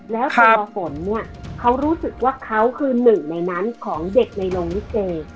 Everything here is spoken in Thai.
แล้วตัวฝนเนี่ยเขารู้สึกว่าเขาคือหนึ่งในนั้นของเด็กในโรงลิเก